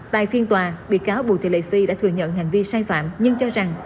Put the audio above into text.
tại phiên tòa bị cáo bùi thị lệ phi đã thừa nhận hành vi sai phạm nhưng cho rằng